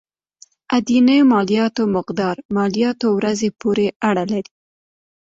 اداينې مالياتو مقدار مالياتو ورځې پورې اړه لري.